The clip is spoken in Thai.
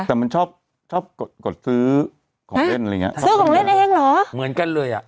แต่มันชอบชอบกดกดซื้อของเล่นอะไรอย่างเงี้ทำซื้อของเล่นเองเหรอเหมือนกันเลยอ่ะ